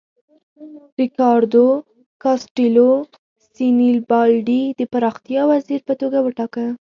ریکاردو کاسټیلو سینیبالډي د پراختیا وزیر په توګه وټاکه.